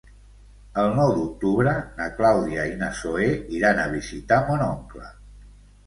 El nou d'octubre na Clàudia i na Zoè iran a visitar mon oncle.